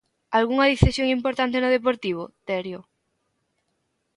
Algunha decisión importante no Deportivo, Terio?